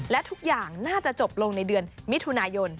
และทุกอย่างน่าจะจบลงในเดือนมิถุนายน